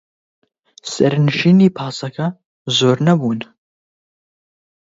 سەرنشینی پاسەکە زۆر نەبوون.